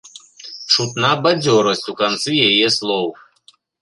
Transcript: Чутна бадзёрасць у канцы яе слоў.